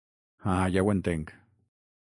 Ah, ja ho entenc!